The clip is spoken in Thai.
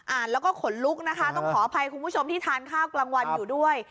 อ่านแล้วก็ขนลุกนะคะต้องขออภัยคุณผู้ชมที่ทานข้าวกลางวันอยู่ด้วย